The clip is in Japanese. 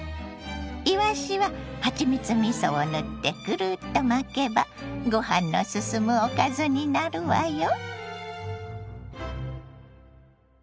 いわしははちみつみそを塗ってグルッと巻けばご飯の進むおかずになるわよ。